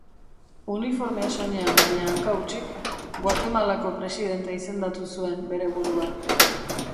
Uniformea soinean baina hanka-hutsik, Guatemalako presidente izendatu zuen bere burua.